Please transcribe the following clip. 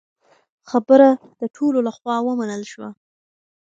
خبره د ټولو له خوا ومنل شوه.